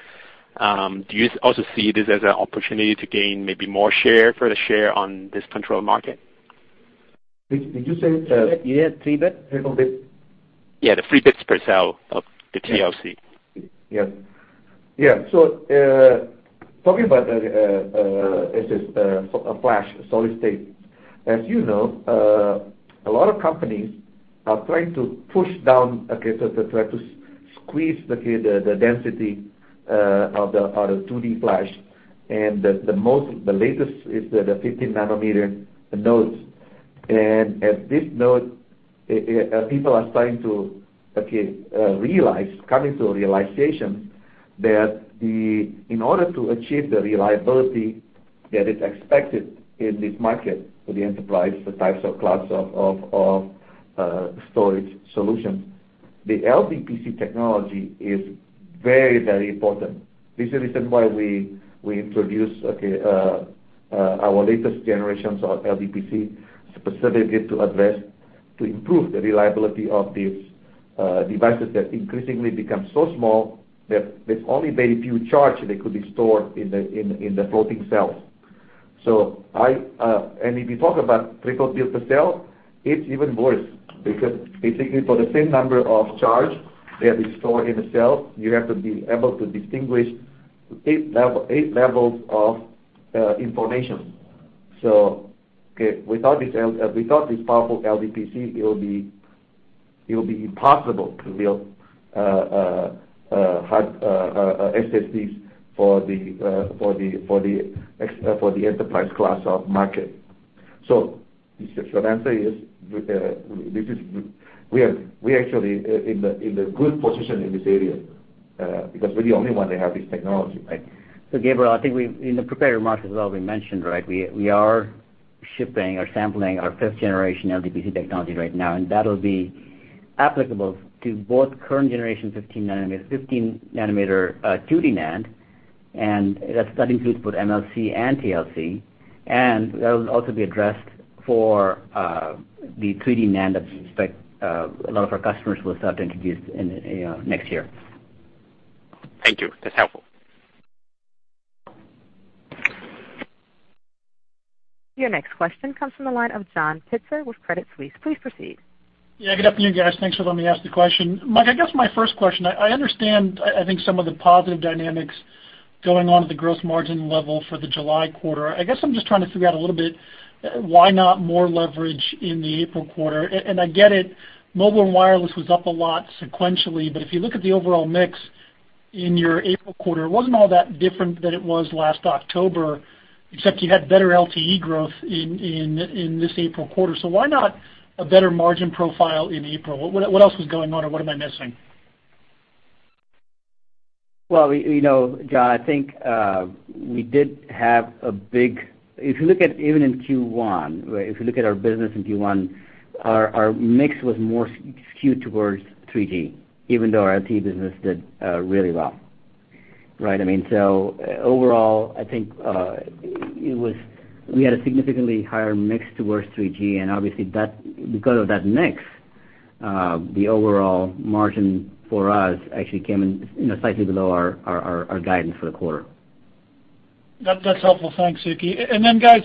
[SPEAKER 11] Do you also see this as an opportunity to gain maybe more share, further share on this control market?
[SPEAKER 3] Did you say three bit?
[SPEAKER 2] Yeah, three bit.
[SPEAKER 3] Three bit.
[SPEAKER 11] Yeah, the three bits per cell of the TLC.
[SPEAKER 3] Yeah. Talking about flash solid state, as you know, a lot of companies are trying to push down, try to squeeze the density of the 2D NAND, and the latest is the 15 nanometer nodes. At this node, people are starting to realize, coming to a realization that in order to achieve the reliability that is expected in this market for the enterprise types of class of storage solutions, the LDPC technology is very important. This is the reason why we introduced our latest generations of LDPC specifically to address, to improve the reliability of these devices that increasingly become so small that there's only very few charge that could be stored in the floating cells. If you talk about triple-bit per cell, it's even worse, because basically for the same number of charge that is stored in a cell, you have to be able to distinguish 8 levels of information. Without this powerful LDPC, it will be impossible to build SSDs for the enterprise class of market. The short answer is, we are actually in the good position in this area, because we're the only one that have this technology, right?
[SPEAKER 2] Gabriel, I think we, in the prepared remarks as well, we mentioned, right, we are shipping or sampling our fifth generation LDPC technology right now, and that'll be applicable to both current generation 15 nanometer 2D NAND, and that includes both MLC and TLC, and that will also be addressed for the 3D NAND that a lot of our customers will start to introduce next year.
[SPEAKER 11] Thank you. That's helpful.
[SPEAKER 1] Your next question comes from the line of John Pitzer with Credit Suisse. Please proceed.
[SPEAKER 12] Yeah, good afternoon, guys. Thanks for letting me ask the question. Mike, I guess my first question, I understand, I think, some of the positive dynamics going on at the gross margin level for the July quarter. I guess I'm just trying to figure out a little bit, why not more leverage in the April quarter? I get it, mobile and wireless was up a lot sequentially, but if you look at the overall mix in your April quarter, it wasn't all that different than it was last October, except you had better LTE growth in this April quarter. Why not a better margin profile in April? What else was going on or what am I missing?
[SPEAKER 2] Well, John, I think we did have. If you look at even in Q1, if you look at our business in Q1, our mix was more skewed towards 3G, even though our LTE business did really well. Right? Overall, I think we had a significantly higher mix towards 3G, obviously because of that mix, the overall margin for us actually came in slightly below our guidance for the quarter.
[SPEAKER 12] That's helpful. Thanks, Sukhi. Guys,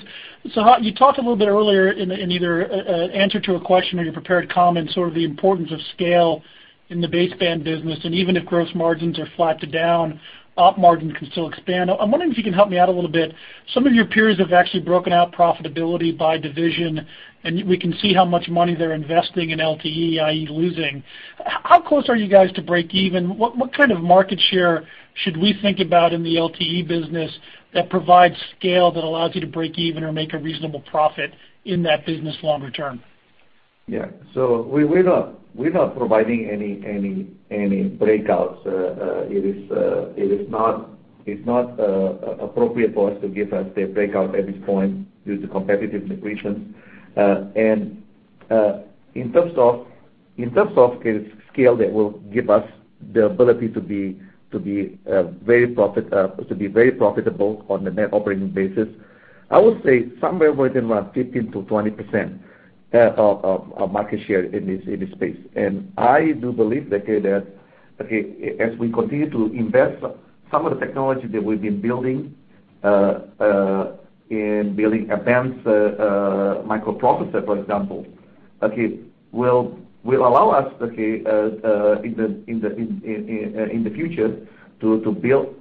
[SPEAKER 12] you talked a little bit earlier in either answer to a question or your prepared comments, sort of the importance of scale in the baseband business, even if gross margins are flat to down, op margin can still expand. I'm wondering if you can help me out a little bit. Some of your peers have actually broken out profitability by division, and we can see how much money they're investing in LTE, i.e. losing. How close are you guys to break even? What kind of market share should we think about in the LTE business that provides scale that allows you to break even or make a reasonable profit in that business longer term?
[SPEAKER 3] We're not providing any breakouts. It's not appropriate for us to give out the breakout at this point due to competitive situations. In terms of scale that will give us the ability to be very profitable on the net operating basis, I would say somewhere within around 15%-20% of market share in this space. I do believe that as we continue to invest some of the technology that we've been building, in building advanced microprocessor, for example, will allow us, in the future, to build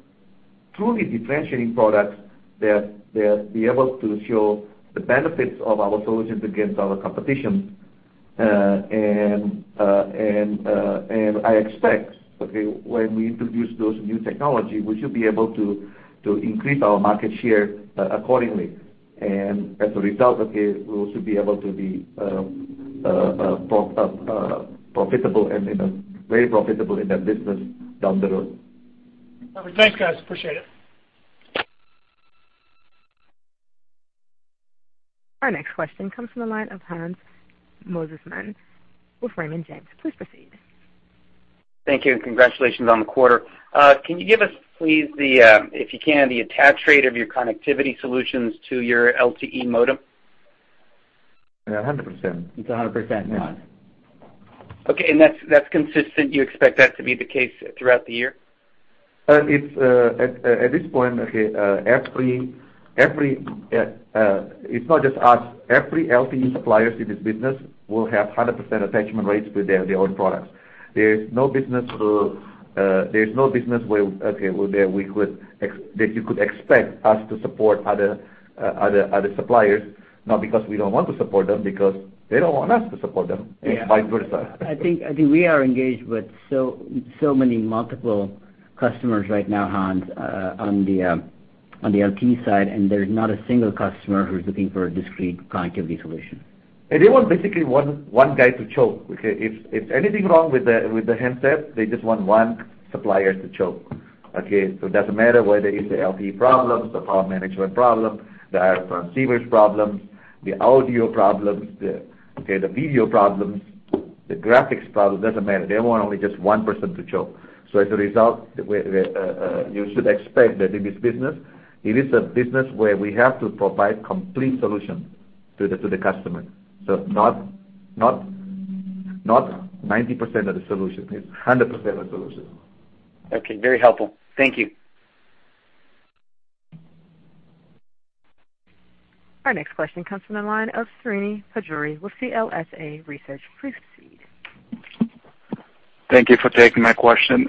[SPEAKER 3] truly differentiating products that will be able to show the benefits of our solutions against our competition. I expect, when we introduce those new technology, we should be able to increase our market share accordingly. As a result, we'll soon be able to be very profitable in that business down the road.
[SPEAKER 12] All right. Thanks, guys. Appreciate it.
[SPEAKER 1] Our next question comes from the line of Hans Mosesmann with Raymond James. Please proceed.
[SPEAKER 13] Thank you. Congratulations on the quarter. Can you give us, please, the attach rate of your connectivity solutions to your LTE modem?
[SPEAKER 3] 100%.
[SPEAKER 2] It's 100%, Hans.
[SPEAKER 13] Okay, that's consistent, you expect that to be the case throughout the year?
[SPEAKER 3] At this point, it's not just us. Every LTE suppliers in this business will have 100% attachment rates with their own products. There's no business that you could expect us to support other suppliers, not because we don't want to support them, because they don't want us to support them, and vice versa.
[SPEAKER 2] I think we are engaged with so many multiple customers right now, Hans, on the LTE side, and there's not a single customer who's looking for a discrete connectivity solution.
[SPEAKER 3] They want basically one guy to choke. If anything's wrong with the handset, they just want one supplier to choke. Okay. It doesn't matter whether it's the LTE problem, the power management problem, the RF receivers problem, the audio problem, the video problem, the graphics problem, doesn't matter. They want only just one person to choke. As a result, you should expect that in this business, it is a business where we have to provide complete solution to the customer. Not 90% of the solution. It's 100% of the solution.
[SPEAKER 13] Okay. Very helpful. Thank you.
[SPEAKER 1] Our next question comes from the line of Srini Pajjuri with CLSA Research. Please proceed.
[SPEAKER 14] Thank you for taking my question.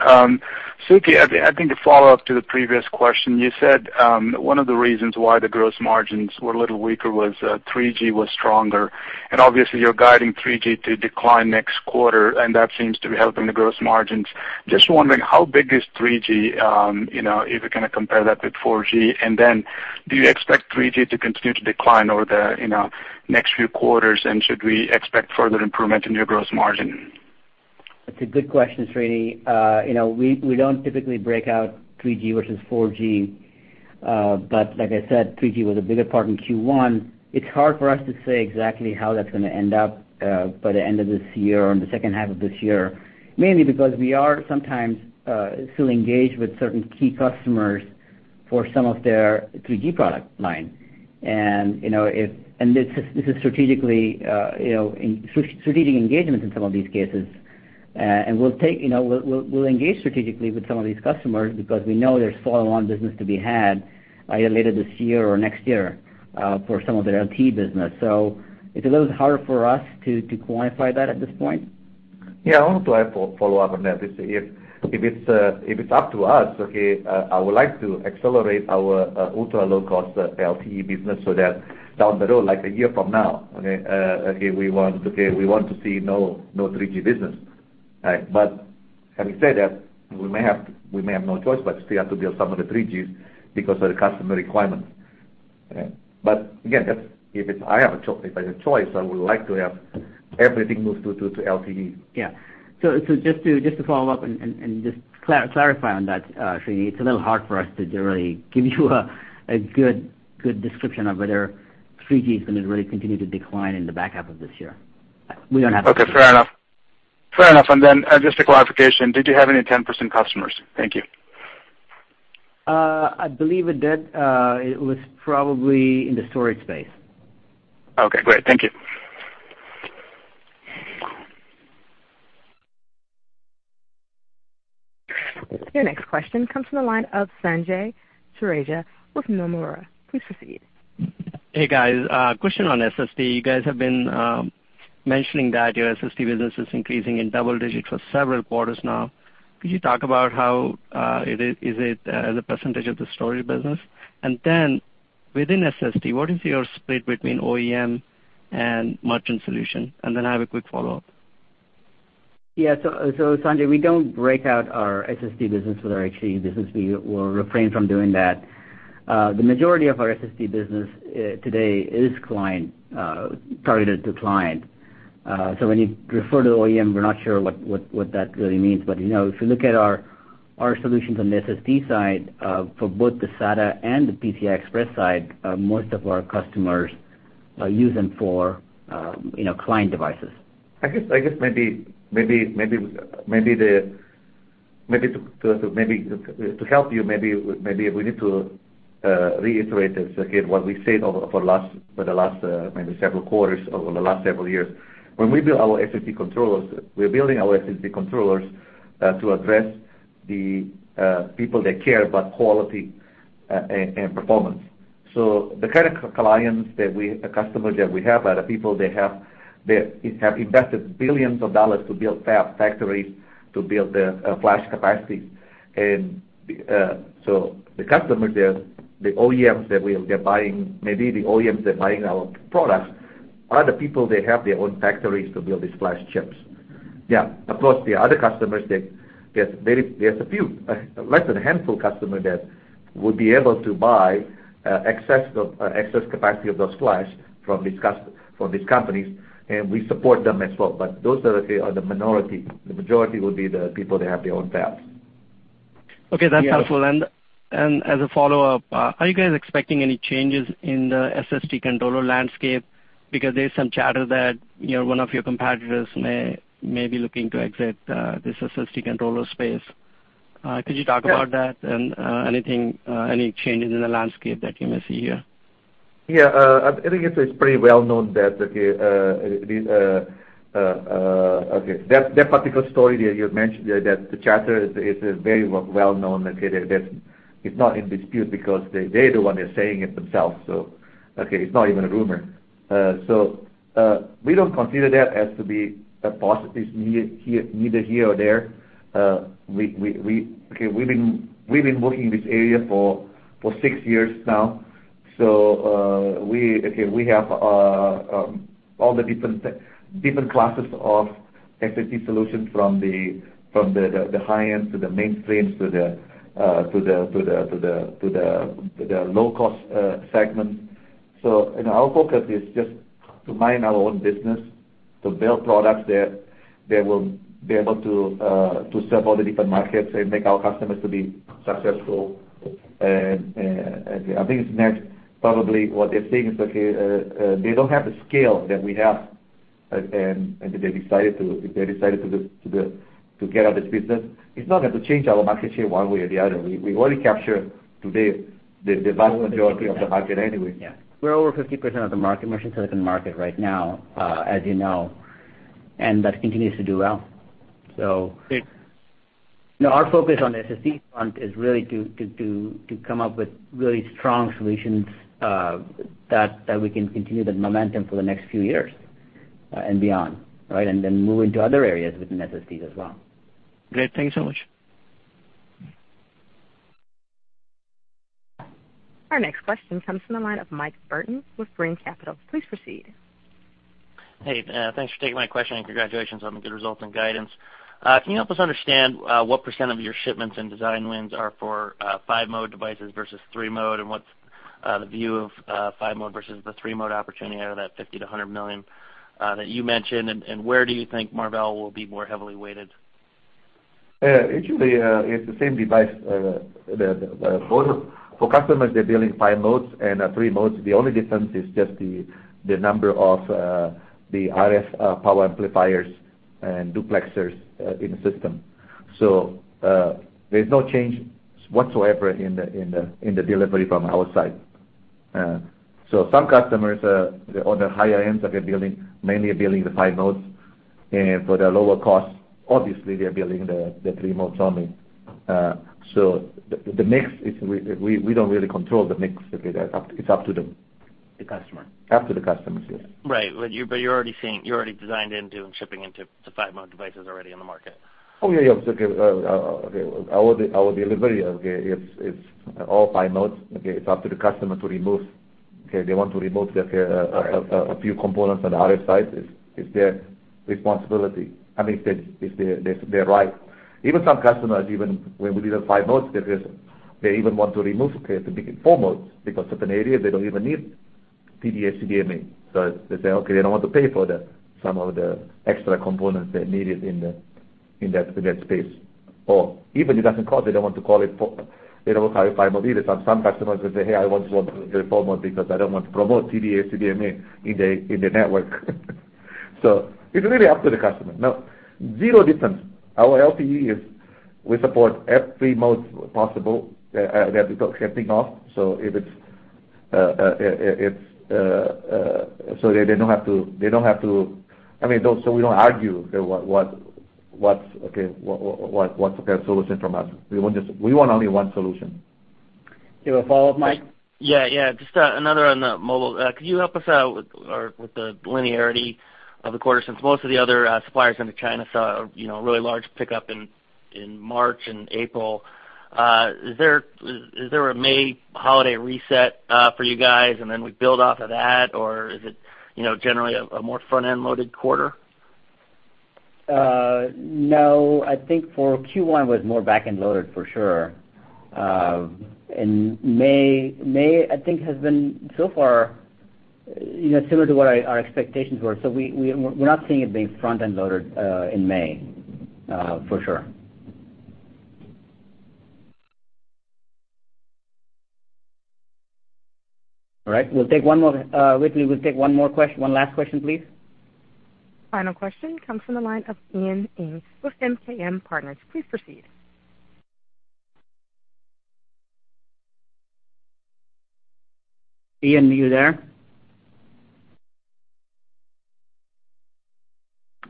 [SPEAKER 14] Sukhi, I think to follow up to the previous question, you said, one of the reasons why the gross margins were a little weaker was 3G was stronger, obviously you're guiding 3G to decline next quarter, and that seems to be helping the gross margins. Just wondering how big is 3G, if we kind of compare that with 4G. Then do you expect 3G to continue to decline over the next few quarters, and should we expect further improvement in your gross margin?
[SPEAKER 2] That's a good question, Srini. We don't typically break out 3G versus 4G. Like I said, 3G was a bigger part in Q1. It's hard for us to say exactly how that's going to end up, by the end of this year or in the second half of this year, mainly because we are sometimes still engaged with certain key customers for some of their 3G product line. This is strategically, in strategic engagements in some of these cases. We'll engage strategically with some of these customers because we know there's follow-on business to be had either later this year or next year, for some of their LTE business. It's a little harder for us to quantify that at this point.
[SPEAKER 3] Yeah. I want to follow up on that. If it's up to us, okay, I would like to accelerate our ultra-low-cost LTE business so that down the road, like a year from now, okay, we want to see no 3G business. Right. Having said that, we may have no choice but still have to build some of the 3Gs because of the customer requirements. Again, if I have a choice, I would like to have everything moved to LTE.
[SPEAKER 2] Yeah. Just to follow up and just clarify on that, Srini, it's a little hard for us to really give you a good description of whether 3G is going to really continue to decline in the back half of this year. We don't have.
[SPEAKER 14] Okay. Fair enough. Fair enough. Just a clarification, did you have any 10% customers? Thank you.
[SPEAKER 2] I believe we did. It was probably in the storage space.
[SPEAKER 14] Okay, great. Thank you.
[SPEAKER 1] Your next question comes from the line of Sanjay Chaurasia with Nomura. Please proceed.
[SPEAKER 15] Hey, guys. A question on SSD. You guys have been mentioning that your SSD business is increasing in double digits for several quarters now. Could you talk about how is it as a percentage of the storage business? Within SSD, what is your split between OEM and merchant solution? I have a quick follow-up.
[SPEAKER 2] Sanjay, we don't break out our SSD business with our HDD business. We will refrain from doing that. The majority of our SSD business today is client, targeted to client. When you refer to OEM, we're not sure what that really means, but if you look at our solutions on the SSD side, for both the SATA and the PCI Express side, most of our customers use them for client devices.
[SPEAKER 3] I guess maybe to help you, maybe we need to reiterate again what we said for the last maybe several quarters or the last several years. When we build our SSD controllers, we're building our SSD controllers to address the people that care about quality and performance. The customers that we have are the people that have invested $ billions to build fabs, factories, to build their flash capacity. The customers there, the OEMs that we are buying, maybe the OEMs that are buying our products, are the people that have their own factories to build these flash chips. Yeah. Of course, the other customers, there's a few, less than a handful customer that would be able to buy excess capacity of those flash from these companies, and we support them as well. Those are the minority. The majority would be the people that have their own fabs.
[SPEAKER 15] That's helpful. As a follow-up, are you guys expecting any changes in the SSD controller landscape? Because there's some chatter that one of your competitors may be looking to exit this SSD controller space. Could you talk about that and any changes in the landscape that you may see here?
[SPEAKER 3] Yeah. I think it's pretty well-known that that particular story that you mentioned there, that the chatter is very well-known, that it's not in dispute because they're the one that's saying it themselves. It's not even a rumor. We don't consider that as to be a positive neither here or there. We've been working in this area for six years now. We have all the different classes of SSD solutions from the high-end to the mainframes to the low-cost segments. Our focus is just to mind our own business, to build products that will be able to serve all the different markets and make our customers to be successful. I think it's next, probably what they're saying is they don't have the scale that we have, and if they decided to get out of this business, it's not going to change our market share one way or the other. We already capture today the vast majority of the market anyway.
[SPEAKER 2] Yeah. We're over 50% of the market, merchant silicon market right now, as you know, that continues to do well. Our focus on the SSD front is really to come up with really strong solutions that we can continue the momentum for the next few years and beyond, right? Move into other areas within SSDs as well.
[SPEAKER 15] Great. Thank you so much.
[SPEAKER 1] Our next question comes from the line of Mike Burton with Brean Capital. Please proceed.
[SPEAKER 16] Hey, thanks for taking my question, and congratulations on the good results and guidance. Can you help us understand what % of your shipments and design wins are for five-mode devices versus three-mode, and what's the view of five-mode versus the three-mode opportunity out of that $50 million-$100 million that you mentioned? Where do you think Marvell will be more heavily weighted?
[SPEAKER 3] Actually, it's the same device. For customers, they're building five modes and three modes. The only difference is just the number of the RF power amplifiers and duplexers in the system. There's no change whatsoever in the delivery from our side. Some customers, they're on the higher end, so they're mainly building the five modes. For the lower cost, obviously, they're building the three modes only. The mix, we don't really control the mix. It's up to them.
[SPEAKER 2] The customer.
[SPEAKER 3] Up to the customers. Yeah.
[SPEAKER 16] You're already seeing, you already designed into and shipping into the five-mode devices already in the market.
[SPEAKER 3] Oh, yeah. Our delivery, it's all five modes. It's up to the customer to remove. They want to remove a few components on the RF side. It's their responsibility. I mean, it's their right. Even some customers, even when we deliver five modes, they even want to remove to make it four modes because certain areas they don't even need TD-SCDMA. They say, okay, they don't want to pay for some of the extra components that are needed in that space. Or even it doesn't cost, they don't carry five mode either. Some customers will say, "Hey, I want to do four mode because I don't want to promote TD-SCDMA in the network." It's really up to the customer. Now, zero difference. Our LTE is we support every mode possible that we can think of. We don't argue what's the best solution from us. We want only one solution.
[SPEAKER 2] You have a follow-up, Mike?
[SPEAKER 16] Yeah. Just another on the mobile. Could you help us out with the linearity of the quarter, since most of the other suppliers into China saw a really large pickup in March and April. Is there a May holiday reset for you guys, and then we build off of that, or is it generally a more front-end loaded quarter?
[SPEAKER 2] No, I think for Q1 was more back-end loaded for sure. May I think has been so far similar to what our expectations were. We're not seeing it being front-end loaded in May, for sure. All right, Whitley, we'll take one last question, please.
[SPEAKER 1] Final question comes from the line of Ian Ing with MKM Partners. Please proceed.
[SPEAKER 2] Ian, are you there?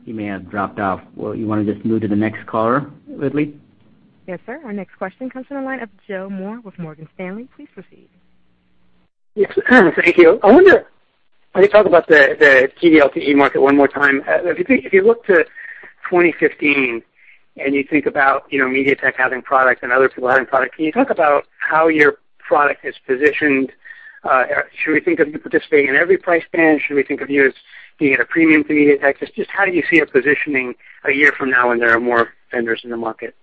[SPEAKER 2] He may have dropped off. You want to just move to the next caller, Whitley?
[SPEAKER 1] Yes, sir. Our next question comes from the line of Joe Moore with Morgan Stanley. Please proceed.
[SPEAKER 17] Thank you. I wonder, can you talk about the TD-LTE market one more time? If you look to 2015 and you think about MediaTek having products and other people having products, can you talk about how your product is positioned? Should we think of you participating in every price band? Should we think of you as being at a premium to MediaTek? How do you see it positioning a year from now when there are more vendors in the market?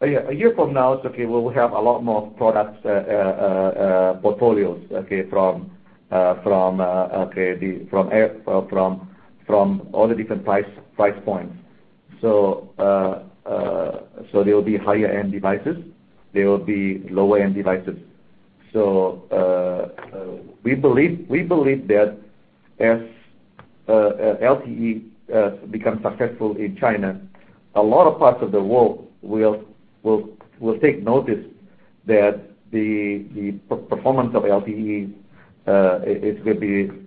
[SPEAKER 3] A year from now, we will have a lot more product portfolios from all the different price points. There will be higher-end devices, there will be lower-end devices. We believe that as LTE becomes successful in China, a lot of parts of the world will take notice that the performance of LTE and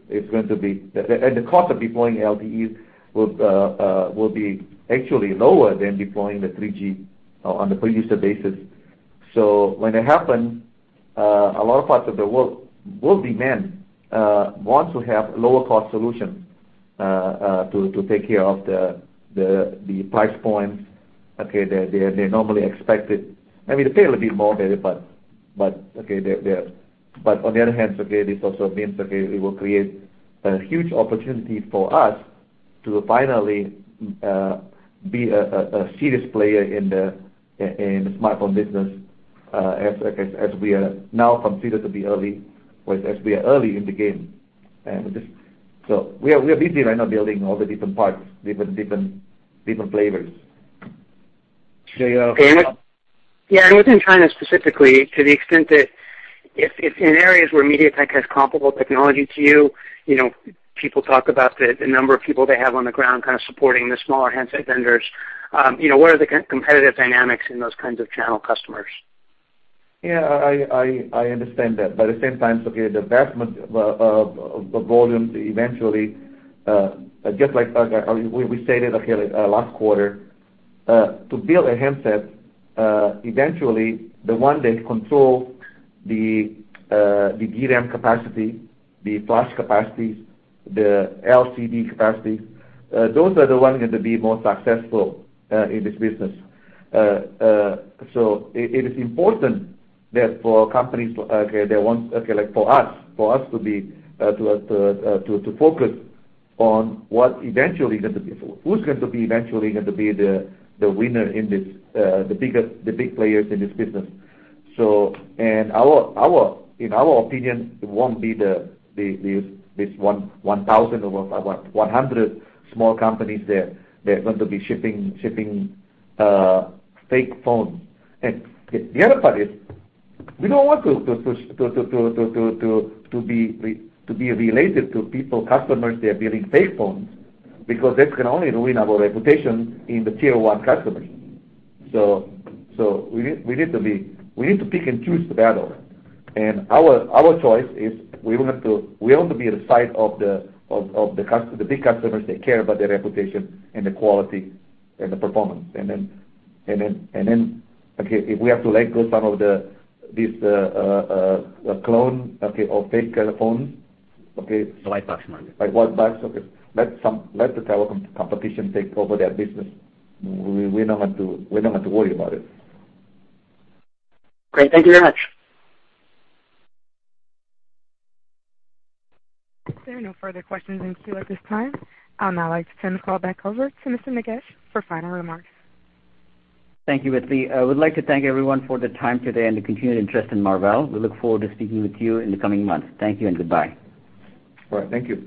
[SPEAKER 3] the cost of deploying LTEs will be actually lower than deploying the 3G on a per user basis. When that happens, a lot of parts of the world will demand, want to have lower cost solution to take care of the price points that they normally expected. On the other hand, this also means that it will create a huge opportunity for us to finally be a serious player in the smartphone business as we are now considered to be early, as we are early in the game. We are busy right now building all the different parts, different flavors. Joe.
[SPEAKER 17] Within China specifically, to the extent that if in areas where MediaTek has comparable technology to you, people talk about the number of people they have on the ground kind of supporting the smaller handset vendors. What are the competitive dynamics in those kinds of channel customers?
[SPEAKER 3] I understand that. At the same time, okay, the vast majority eventually, just like we stated, okay, last quarter, to build a handset, eventually the one that controls the DRAM capacity, the flash capacities, the LCD capacities, those are the ones going to be more successful in this business. It is important that for companies, okay, like for us to focus on who's going to be eventually going to be the winner, the big players in this business. In our opinion, it won't be this 1,000 or 100 small companies that are going to be shipping fake phones. The other part is we don't want to be related to people, customers that are building fake phones, because that's going to only ruin our reputation in the tier 1 customers. We need to pick and choose the battle. Our choice is we want to be at the side of the big customers that care about their reputation and the quality and the performance. Then, okay, if we have to let go some of these clone or fake telephones.
[SPEAKER 2] The white box market.
[SPEAKER 3] White box, okay. Let the telecom competition take over that business. We don't have to worry about it.
[SPEAKER 17] Great. Thank you very much.
[SPEAKER 1] There are no further questions in queue at this time. I would now like to turn the call back over to Mr. Nagesh for final remarks.
[SPEAKER 2] Thank you, Ashley. I would like to thank everyone for their time today and the continued interest in Marvell. We look forward to speaking with you in the coming months. Thank you and goodbye.
[SPEAKER 3] All right, thank you.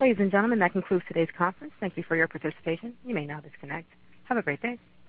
[SPEAKER 1] Ladies and gentlemen, that concludes today's conference. Thank you for your participation. You may now disconnect. Have a great day.